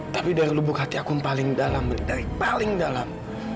tapi dari lubuk hati aku paling dalam dari paling dalam